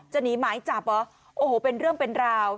หนีหมายจับเหรอโอ้โหเป็นเรื่องเป็นราว